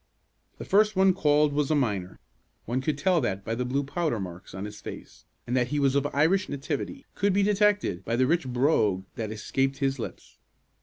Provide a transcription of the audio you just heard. The first one called was a miner. One could tell that by the blue powder marks on his face, and that he was of Irish nativity could be detected by the rich brogue that escaped his lips.